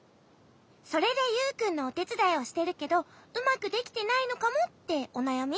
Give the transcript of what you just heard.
それでユウくんのおてつだいをしてるけどうまくできてないのかもっておなやみ？